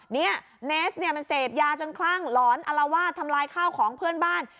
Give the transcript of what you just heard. เนสมันเสพยาจนคลั่งหลอนอลาวาดทำลายข้าวของเพื่อนบ้าน